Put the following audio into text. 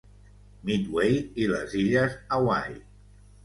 Midway i les illes Hawaii.